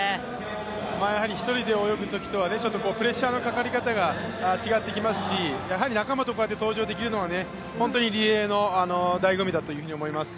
１人で泳ぐときとはプレッシャーのかかり方が変わってきますし仲間とこうやって登場できるのはリレーのだいご味だと思います。